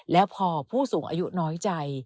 แล้วพอผู้สูงอายุน้อยใจ